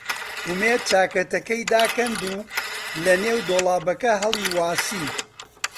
ئومێد چاکەتەکەی داکەند و لەنێو دۆڵابەکە هەڵی واسی.